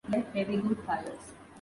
Let there be good fires.